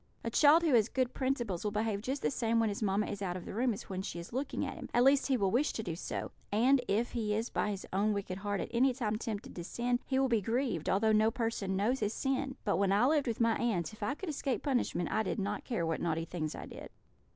A child who has good principles will behave just the same when his mamma is out of the room as when she is looking at him at least he will wish to do so; and if he is by his own wicked heart at any time tempted to sin, he will be grieved, although no person knows his sin. But when I lived with my aunts, if I could escape punishment, I did not care what naughty things I did.